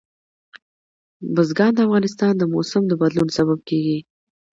بزګان د افغانستان د موسم د بدلون سبب کېږي.